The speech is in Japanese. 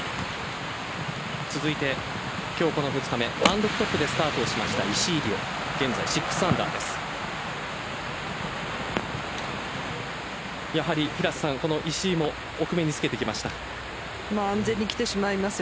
続いて、今日この２日目単独トップでスタートしました石井理緒現在６アンダーです。